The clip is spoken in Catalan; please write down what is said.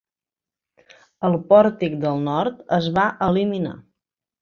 El pòrtic del nord es va eliminar.